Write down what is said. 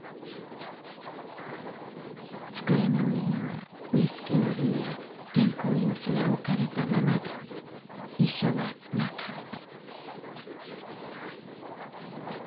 机の上にはウイスキーの瓶や原稿用紙が置かれたままで遺書はなかった。